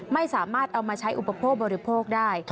ไม่สามารถเอามาใช้อุปโภคบริโภคได้